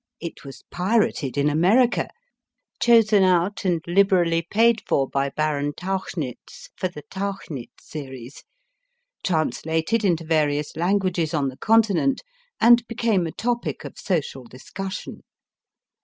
It was * pirated in America ; chosen out and liberally paid for by Baron Tauchnitz for the Tauchnitz series ; translated into various languages on the Continent, and became a topic of social discussion.